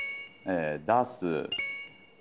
出す。